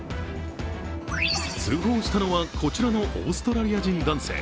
通報したのはこちらのオーストラリア人男性。